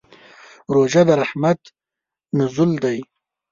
روژه د رحمت نزول دی.